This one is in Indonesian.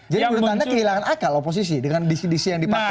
jadi menurut anda kehilangan akal oposisi dengan disisi disi yang dipakai